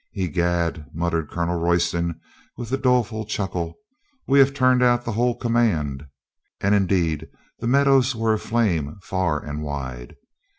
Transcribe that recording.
"I'gad," muttered Colonel Royston with a doleful chuckle, "we'll have turned out the whole com mand." And indeed the meadows were aflame far and wide.